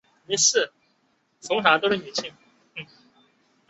莫尔帕拉是巴西巴伊亚州的一个市镇。